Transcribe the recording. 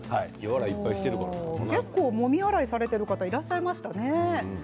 結構もみ洗いされている方がいらっしゃいましたね。